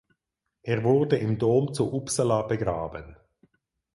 Er wurde im Dom zu Uppsala begraben.